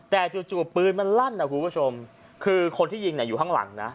แต่จู่ปืนมันลั่นนะคุณผู้ชมคือคนที่ยิงเนี่ยอยู่ข้างหลังนะ